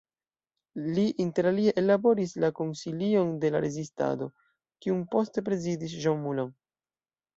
Li interalie ellaboris la "Konsilion de la Rezistado" kiun poste prezidis Jean Moulin.